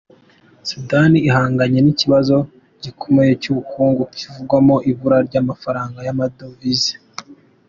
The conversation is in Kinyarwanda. Sudani ihanganye n'ikibazo gikomeye cy'ubukungu kivugwamo ibura ry'amafaranga y'amadovize.